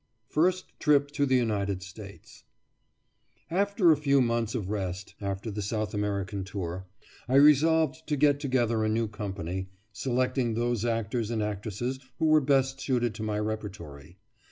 FIRST TRIP TO THE UNITED STATES After a few months of rest [after the South American tour], I resolved to get together a new company, selecting those actors and actresses who were best suited to my repertory.